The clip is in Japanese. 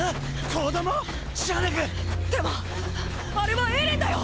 ⁉子供⁉じゃねぇか⁉でもあれはエレンだよ！！